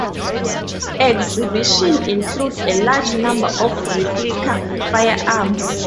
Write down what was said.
Exhibitions include a large number of replica firearms.